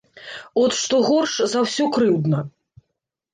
От што горш за ўсё крыўдна.